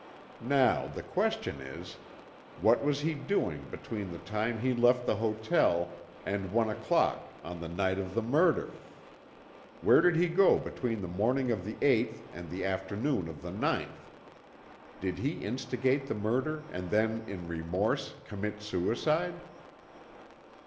Now, the question is, What was he doing between the time he left the hotel and one o'clock on the night of the murder? Where did he go between the morning of the eighth and the afternoon of the ninth? Did he instigate the murder and then in remorse commit suicide?"